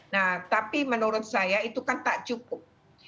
nah tapi menurut saya itu kan tak cukup